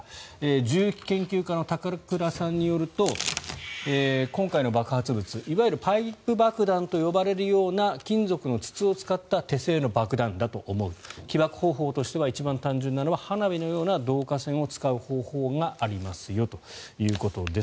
銃器研究家の高倉さんによると今回の爆発物、いわゆるパイプ爆弾と呼ばれるような金属の筒を使った手製の爆弾だと思う起爆方法としては一番単純なのは花火のような導火線を使う方法がありますよということです。